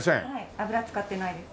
油使ってないです。